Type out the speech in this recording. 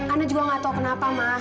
ana juga nggak tahu kenapa ma